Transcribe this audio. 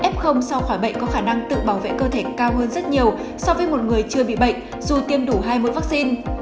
f sau khỏi bệnh có khả năng tự bảo vệ cơ thể cao hơn rất nhiều so với một người chưa bị bệnh dù tiêm đủ hai mũi vaccine